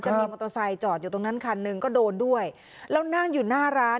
มีมอเตอร์ไซค์จอดอยู่ตรงนั้นคันหนึ่งก็โดนด้วยแล้วนั่งอยู่หน้าร้าน